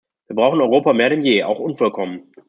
Wir brauchen Europa mehr denn je, auch unvollkommen.